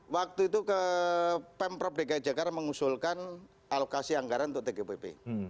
waktu itu pemprov dki jakarta mengusulkan alokasi anggaran untuk tgpp